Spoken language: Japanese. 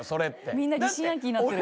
みんな疑心暗鬼になってる。